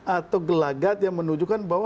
atau gelagat yang menunjukkan bahwa